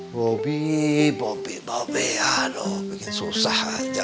bobi bobi bobi aduh bikin susah aja